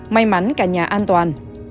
may mắn cả nhà an toàn